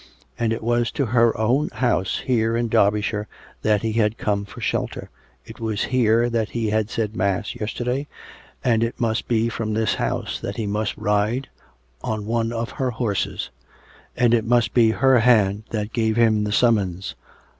''... And it was to her own house here in Derbyshire that he had come for shelter; it was here that he had said mass yesterday; and it must be from this house that he must ride, on one of her horses ; and it must be her hand that gave him the summons.